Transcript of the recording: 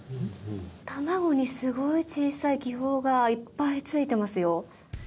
卵にすごい小さい気泡がいっぱいついてますよ